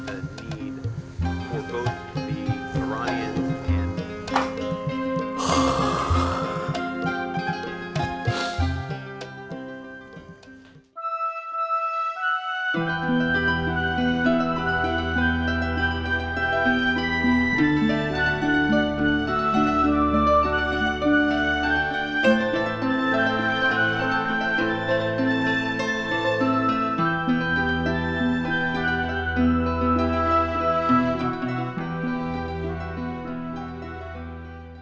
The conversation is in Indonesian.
as'alatu khairum minannawum